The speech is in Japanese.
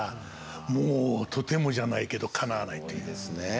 もうとてもじゃないけどかなわないという。